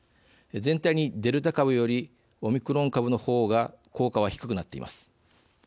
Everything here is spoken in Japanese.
全体に、デルタ株よりオミクロン株のほうが効果は低くなっています。